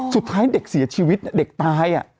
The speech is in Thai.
สุดท้ายเด็กเสียชีวิตเด็กตาย